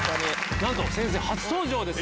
なんと先生は初登場です